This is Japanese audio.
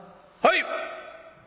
「はい！」。